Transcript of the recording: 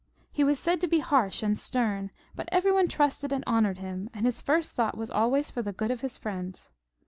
He war said to be harsh and stem, but every one trusted and honoured him, and his first thought was always for the good of his friends.